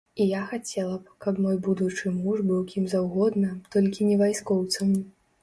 І я хацела б, каб мой будучы муж быў кім заўгодна, толькі не вайскоўцам.